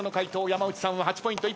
山内さんは８ポイント。